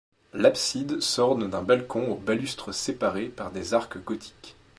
L'abside s'orne d'un balcon aux balustres séparés par des arcs gothiques.